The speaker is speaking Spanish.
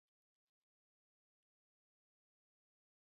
Fue entrevistado por Mat Kaplan en "Radio Planetaria"